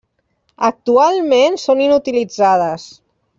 Actualment són inutilitzades.